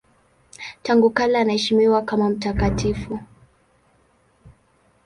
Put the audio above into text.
Tangu kale anaheshimiwa kama mtakatifu.